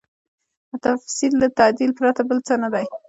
تفسیر له تعدیله پرته بل څه نه دی.